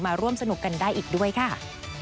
ร่วมสนุกกันได้อีกด้วยค่ะ